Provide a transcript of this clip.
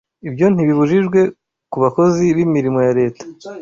Ibyo ntibibujijwe ku bakozi b’imirimo ya Leta